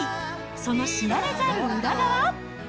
その知られざる裏側？